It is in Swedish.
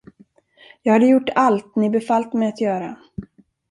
Jag hade gjort allt, ni befallt mig att göra.